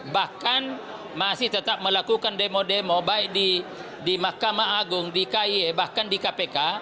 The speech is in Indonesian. bahkan masih tetap melakukan demo demo baik di mahkamah agung di kaye bahkan di kpk